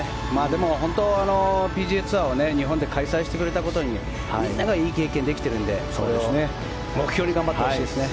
でも、本当にＰＧＡツアーを日本で開催してくれたことにみんながいい経験できてるのでそれを目標に頑張ってほしいですね。